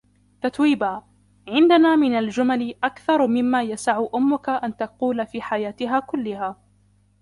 تتويبا: عندنا من الجمل أكثر مما يسعُ أمك أن تقول في حياتها كلها.